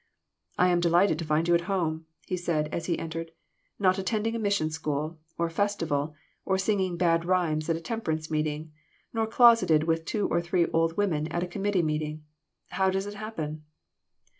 " I am delighted to find you at home," he said, as he entered; "not attending a mission school, or festival, or singing bad rhymes at a temperence meeting, nor closeted with two or three old women at a committee meeting. How does it happen